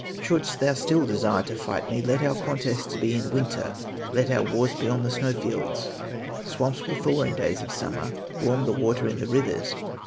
Shouldst thou still desire to fight me, Let our contests be in winter, Let our wars be on the snow fields. Swamps will thaw in days of summer, Warm, the water in the rivers.